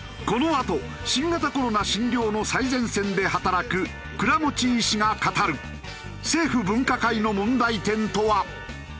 このあと新型コロナ診療の最前線で働く倉持医師が語る政府分科会の問題点とは？